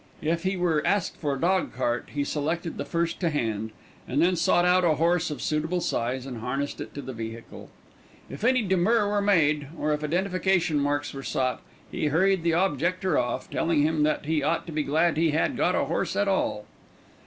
If he were asked for a dog cart he selected the first to hand, and then sought out a horse of suitable size and harnessed it to the vehicle. If any demur were made, or if identification marks were sought, he hurried the objector off, telling him that he ought to be glad he had got a horse at all.